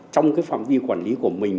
trong cái phạm vi quản lý của mình